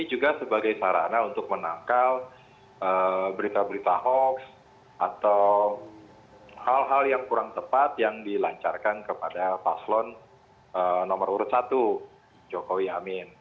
ini juga sebagai sarana untuk menangkal berita berita hoax atau hal hal yang kurang tepat yang dilancarkan kepada paslon nomor urut satu jokowi amin